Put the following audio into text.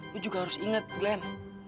lu juga harus inget glenn